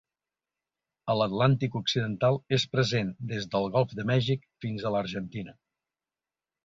A l'Atlàntic occidental és present des del Golf de Mèxic fins a l'Argentina.